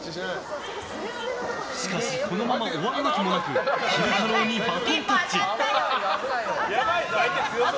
しかしこのまま終わるわけもなく昼太郎にバトンタッチ！